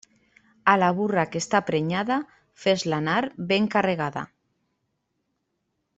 A la burra que està prenyada, fes-la anar ben carregada.